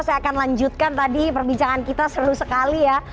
saya akan lanjutkan tadi perbincangan kita seru sekali ya